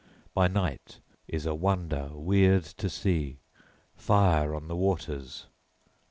By night is a wonder weird to see, fire on the waters.